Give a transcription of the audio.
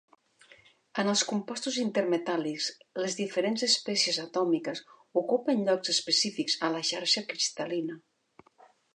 En els compostos intermetàl·lics les diferents espècies atòmiques ocupen llocs específics a la xarxa cristal·lina.